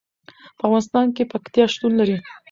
په افغانستان کې پکتیا شتون لري.